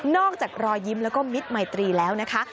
นอกจากรอยยิ้มและมิตรไหมตรีแล้วนะคะ